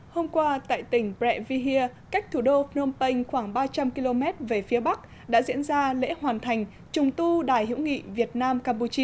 hôm qua tại tỉnh brehia cách thủ đô phnom penh khoảng ba trăm linh km về phía bắc đã diễn ra lễ hoàn thành trùng tu đài hữu nghị việt nam campuchia